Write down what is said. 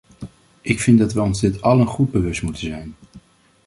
Ik vind dat wij ons dit allen goed bewust moeten zijn.